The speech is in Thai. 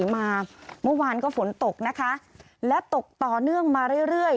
มาเมื่อวานก็ฝนตกนะคะและตกต่อเนื่องมาเรื่อยเรื่อย